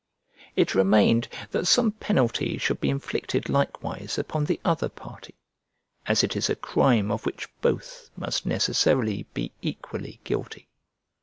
It remained that some penalty should be inflicted likewise upon the other party, as it is a crime of which both must necessarily be equally guilty.